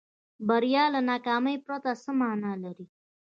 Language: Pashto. بریا له ناکامۍ پرته څه معنا لري.